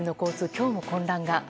今日も混乱が。